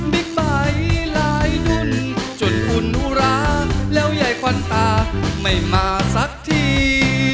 มีใบหลายหุ้นจนอุ่นอุระแล้วยายควันตาไม่มาสักที